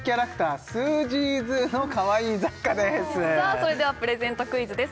それではプレゼントクイズです